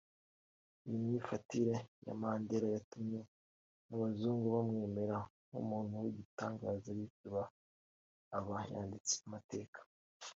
Iyi myifatire ya Mandela yatumye n’abazungu bamwemera nk’umuntu w’igitangaza bityo aba yanditse amateka